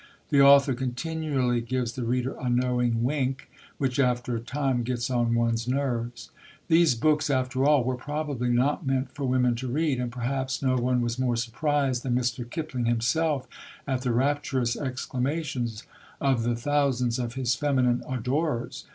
The author continually gives the reader a "knowing wink," which, after a time, gets on one's nerves. These books, after all, were probably not meant for women to read, and perhaps no one was more surprised than Mr. Kipling himself at the rapturous exclamations of the thousands of his feminine adorers.